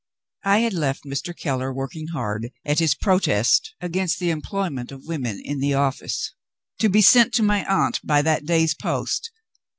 I had left Mr. Keller working hard at his protest against the employment of women in the office, to be sent to my aunt by that day's post.